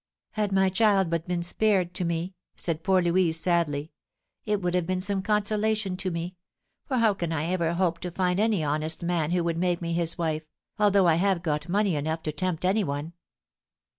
"Had my child but been spared to me," said poor Louise, sadly, "it would have been some consolation to me; for how can I ever hope to find any honest man who would make me his wife, although I have got money enough to tempt any one."